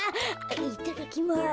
いただきます。